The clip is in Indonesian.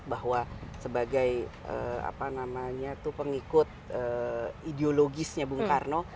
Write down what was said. mereka masih berharap bahwa sebagai pengikut ideologisnya bung karno